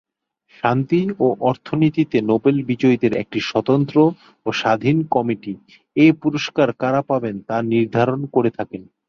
শান্তি ও অর্থনীতিতে নোবেল বিজয়ীদের একটি স্বতন্ত্র ও স্বাধীন কমিটি এ পুরস্কার কারা পাবেন তা নির্ধারণ করে থাকেন।